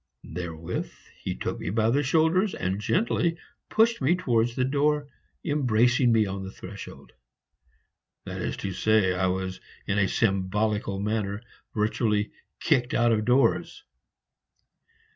Therewith he took me by the shoulders and gently pushed me towards the door, embracing me on the threshold. That is to say, I was in a symbolical manner virtually kicked out of doors.